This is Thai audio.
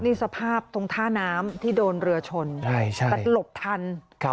นี่สภาพตรงท่าน้ำที่โดนเรือชนใช่ใช่แต่หลบทันครับ